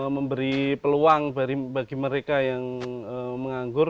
memberi peluang bagi mereka yang menganggur